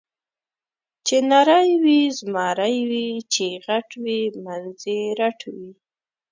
چې نری وي زمری وي، چې غټ وي منځ یې رټ وي.